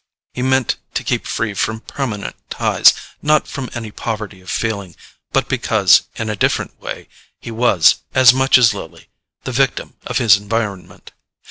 He had meant to keep free from permanent ties, not from any poverty of feeling, but because, in a different way, he was, as much as Lily, the victim of his environment.